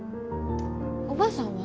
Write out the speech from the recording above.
おばあさんは？